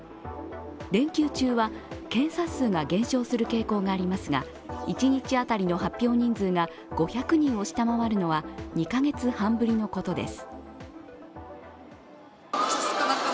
連休中は検査数が減少する傾向がありますが、一日当たりの発表人数が５００人を下回るのは２カ月半ぶりのことです。